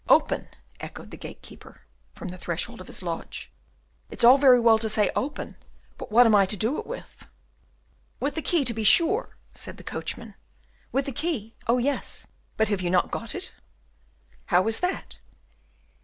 "Open!" echoed the gatekeeper, from the threshold of his lodge; "it's all very well to say 'Open!' but what am I to do it with?" "With the key, to be sure!" said the coachman. "With the key! Oh, yes! but if you have not got it?" "How is that?